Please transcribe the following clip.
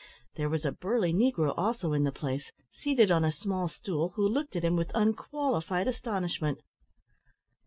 There was a burly negro also in the place, seated on a small stool, who looked at him with unqualified astonishment.